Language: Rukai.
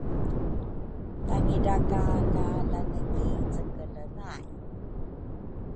Tangidrakakalane ki cekele nay